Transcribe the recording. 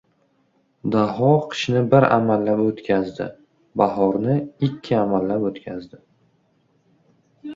Daho qishni bir amallab o‘tkazdi, bahorni ikki amallab o‘tkazdi.